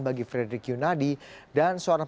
bagi frederick yunadi dan seorang